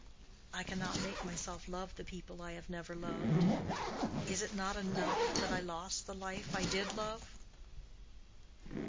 I cannot make myself love the people I have never loved—is it not enough that I lost the life I did love?"